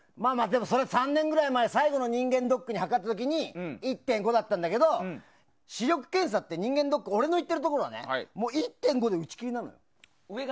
３年ぐらい前最後の人間ドッグで測った時に１．５だったんだけど視力検査って俺の行っている人間ドッグは１．５で打ち切りなの。